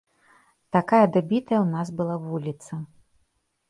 Такая дабітая ў нас была вуліца.